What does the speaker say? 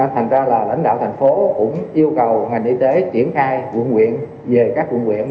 thành ra là lãnh đạo thành phố cũng yêu cầu ngành y tế triển khai quận quyện về các quận quyện